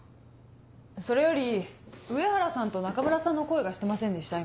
それより上原さんと中村さんの声がしてませんでした？